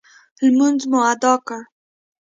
لمونځ مو اداء کړ.